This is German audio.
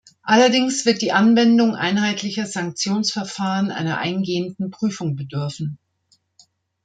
Allerdings wird die Anwendung einheitlicher Sanktionsverfahren einer eingehenden Prüfung bedürfen.